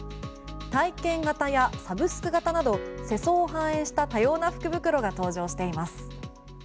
体験型やサブスク型など世相を反映した多様な福袋が登場しています。